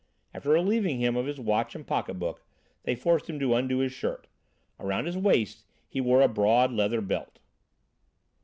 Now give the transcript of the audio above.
After relieving him of his watch and pocketbook, they forced him to undo his shirt. Around his waist he wore a broad leather belt.